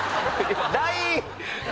ＬＩＮＥ。